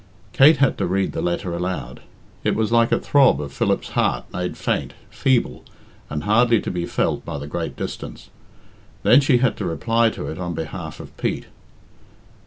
Kate had to read the letter aloud. It was like a throb of Philip's heart made faint, feeble, and hardly to be felt by the great distance. Then she had to reply to it on behalf of Pete.